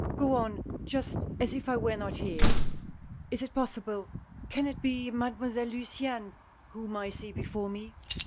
Go on just as if I were not here. Is it possible ! Can it be Made moiselle Luciane whom I see before me